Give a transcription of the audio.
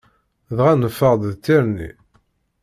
Dɣa neffeɣ-d d tirni.